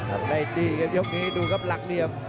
อะไรดีครับยกนี้ดูครับหลักเนียม